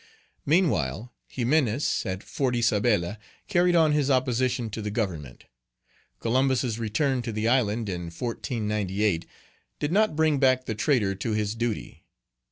Meanwhile, Ximenes, at Fort Isabella, carried on his opposition to the Government. Columbus's return to the island, in 1498, did not bring back the traitor to his duty.